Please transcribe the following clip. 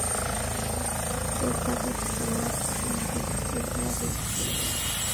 They carried the motto In Hoc Signo Vinces.